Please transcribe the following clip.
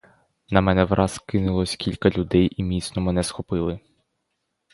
На мене враз кинулось кілька людей і міцно мене схопили.